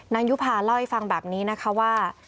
ยุภาเล่าให้ฟังแบบนี้นะคะว่า